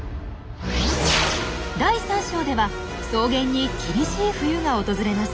第３章では草原に厳しい冬が訪れます。